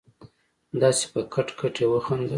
داسې په کټ کټ يې وخندل.